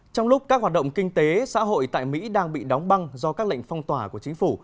trong lúc các hoạt động kinh tế xã hội tại mỹ đang bị đóng băng do các lệnh phong tỏa của chính phủ